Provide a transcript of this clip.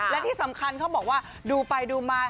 และที่สำคัญเขาบอกว่าดูไปดูมา